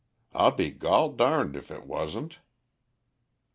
I'll be gol darned if it wasn't.